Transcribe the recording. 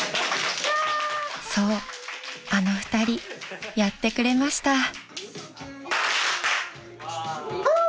［そうあの２人やってくれました］